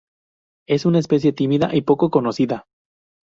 Es una especie tímida y poco conocida.